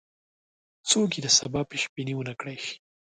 څوک یې د سبا پیش بیني ونه کړای شي.